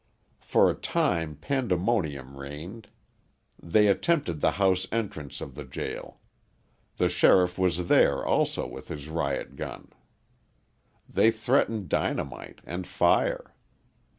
For a time pandemonium reigned; they attempted the house entrance of the jail; the sheriff was there also with his riot gun; they threatened dynamite and fire.